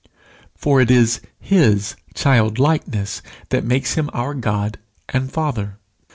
For it is his childlikeness that makes him our God and Father.